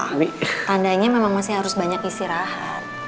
tapi tandanya memang masih harus banyak istirahat